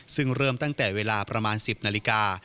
ซึ่งเริ่มตั้งแต่เวลาประมาณ๑๐นาฬิกา